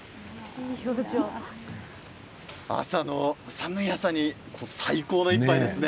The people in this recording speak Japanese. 寒い朝に最高の１杯ですね。